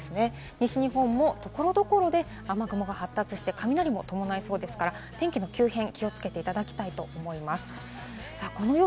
西日本も所々で雨雲が発達して雷もっと鳴りそうですから、天気の急変、気をつけていただきたいと思います。